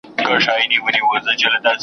چاپېریال ککړتیا خطرناکې ناروغۍ زیاتوي.